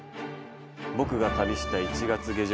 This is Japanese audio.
僕が旅した１月下旬。